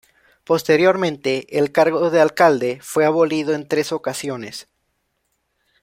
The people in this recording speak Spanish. Posteriormente, el cargo de Alcalde fue abolido en tres ocasiones.